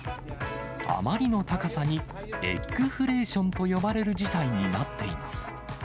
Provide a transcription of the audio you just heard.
あまりの高さに、エッグフレーションと呼ばれる事態になっています。